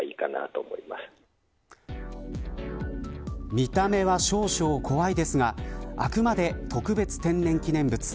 見た目は少々怖いですがあくまで特別天然記念物。